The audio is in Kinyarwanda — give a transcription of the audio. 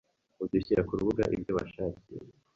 udashyira ku rubuga ibyo wishakiye